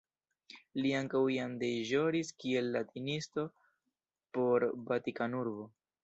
Li ankaŭ jam deĵoris kiel latinisto por Vatikanurbo.